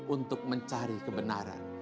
untuk mencari kebenaran